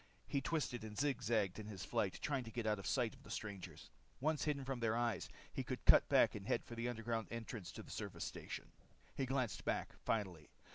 He twisted and zig zagged in his flight, trying to get out of sight of the strangers. Once hidden from their eyes, he could cut back and head for the underground entrance to the service station. He glanced back finally.